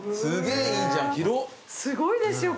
すごいですよ